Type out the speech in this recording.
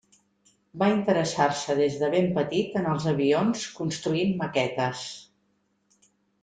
Va interessar-se des de ben petit en els avions construint maquetes.